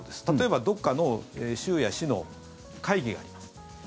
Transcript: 例えば、どこかの州や市の会議があります。